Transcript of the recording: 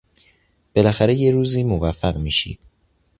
بالاخره یه روزی موفق میشی!